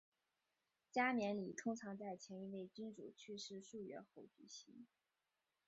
加冕礼通常在前一位君主去世数月后举行。